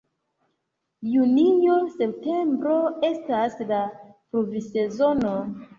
Junio-septembro estas la pluvsezono.